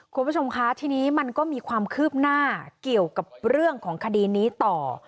คุณผู้ชมคะทีนี้มันก็มีความคืบหน้าเกี่ยวกับเรื่องของคดีนี้ต่อ